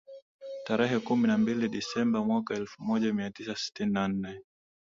Tarehe kumi na mbili Desemba mwaka elfu moja mia tisa sitini na nne